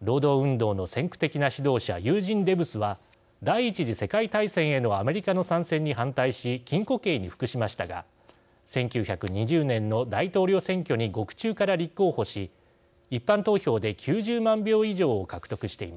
労働運動の先駆的な指導者ユージン・デブスは第１次世界大戦へのアメリカの参戦に反対し禁錮刑に服しましたが１９２０年の大統領選挙に獄中から立候補し一般投票で９０万票以上を獲得しています。